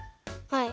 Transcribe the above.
はい。